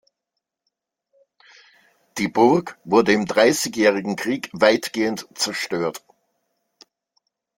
Die Burg wurde im Dreißigjährigen Krieg weitgehend zerstört.